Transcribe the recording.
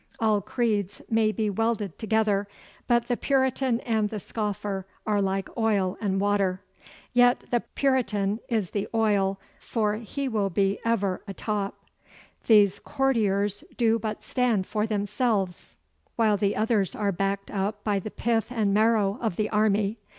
All creeds may be welded together, but the Puritan and the scoffer are like oil and water. Yet the Puritan is the oil, for he will be ever atop. These courtiers do but stand for themselves, while the others are backed up by the pith and marrow of the army.